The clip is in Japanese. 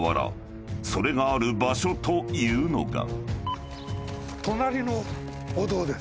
［それがある場所というのが］